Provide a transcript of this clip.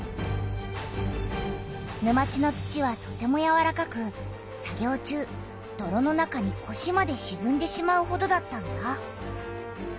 沼地の土はとてもやわらかく作業中どろの中にこしまでしずんでしまうほどだったんだ。